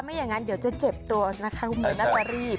ไม่อย่างนั้นเดี๋ยวจะเจ็บตัวนะคะเหมือนจะรีบ